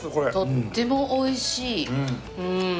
とってもおいしい。